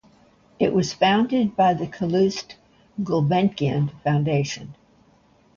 It was founded by the Calouste Gulbenkian Foundation.